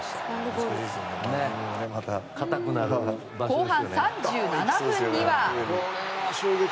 後半３７分には。